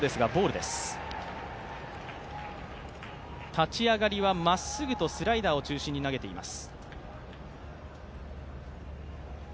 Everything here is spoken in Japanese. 立ち上がりはまっすぐとスライダーを中心に投げています。